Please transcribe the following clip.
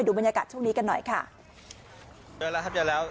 บรรยากาศช่วงนี้กันหน่อยค่ะเจอแล้วครับเจอแล้ว